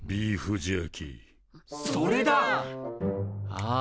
ああ